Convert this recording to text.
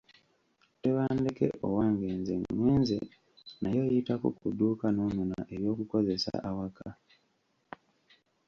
Tebandeke owange nze ngenze naye oyitako ku dduuka n’onona eby’okukozesa awaka.